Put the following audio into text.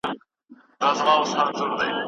د یتیمۍ په څاپېړه نه سور کیږي